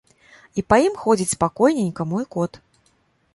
І па ім ходзіць спакойненька мой кот.